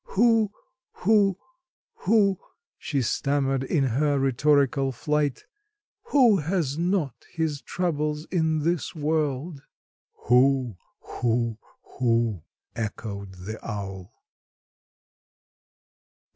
Who who who," she stammered in her rhetorical flight; "who has not his troubles in this world?" "Who who who," echoed the owl.